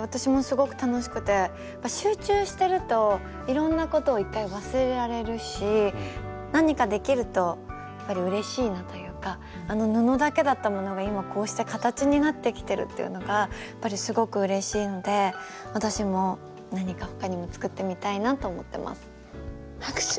私もすごく楽しくて集中してるといろんなことを１回忘れられるし何かできるとやっぱりうれしいなというかあの布だけだったものが今こうして形になってきてるというのがやっぱりすごくうれしいので私も何か他にも作ってみたいなと思ってます。